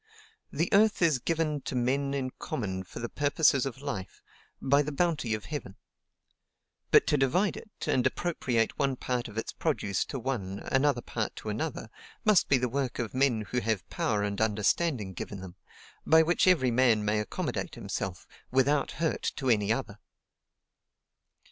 "The earth is given to men in common for the purposes of life, by the bounty of Heaven. But to divide it, and appropriate one part of its produce to one, another part to another, must be the work of men who have power and understanding given them, by which every man may accommodate himself, WITHOUT HURT TO ANY OTHER.